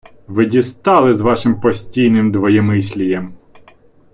Ви дістали з вашим постійнім двоємислієм.